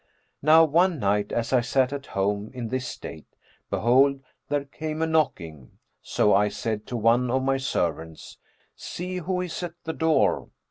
Now one night, as I sat at home in this state, behold, there came a knocking; so I said to one of my servants, 'See who is at the door.'